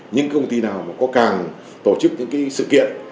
những công ty nào mà có càng tổ chức những sự kiện